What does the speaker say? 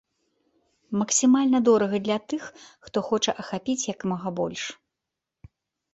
Максімальна дорага для тых, хто хоча ахапіць як мага больш.